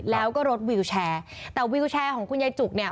แล้วก็รถวิวแชร์แต่วิวแชร์ของคุณยายจุกเนี่ย